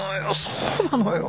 そうなのよ！